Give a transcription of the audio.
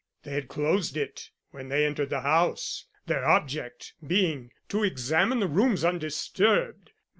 They had closed it when they entered the house, their object being to examine the rooms undisturbed.